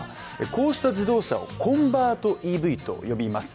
こうした自動車をコンバートＥＶと呼びます。